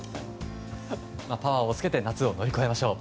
パワーをつけて夏を乗り越えましょう。